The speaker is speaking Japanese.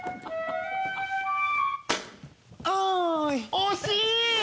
惜しい！